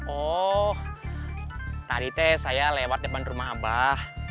oh tadi teh saya lewat depan rumah abah